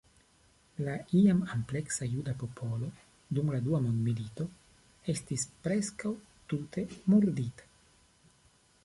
La iam ampleksa juda popolo dum la Dua Mondmilito estis preskaŭ tute murdita.